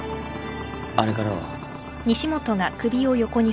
あれからは。